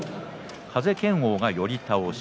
風賢央、寄り倒し。